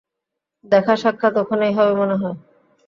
দেখা সাক্ষাত ওখনেই হবে মনে হয়।